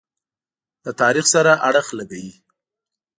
له تاریخ سره اړخ لګوي.